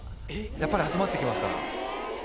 やっぱり集まってきますから。